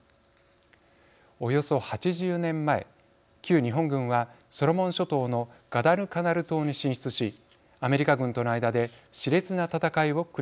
およそ８０年前旧日本軍はソロモン諸島のガダルカナル島に進出しアメリカ軍との間でしれつな戦いを繰り広げました。